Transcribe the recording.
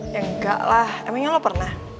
ya enggak lah emangnya lo pernah